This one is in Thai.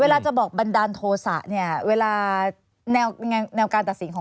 อาจารย์เออ